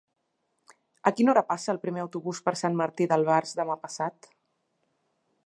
A quina hora passa el primer autobús per Sant Martí d'Albars demà passat?